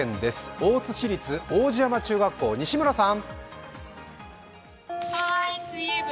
大津市立皇子山中学校、西村さん。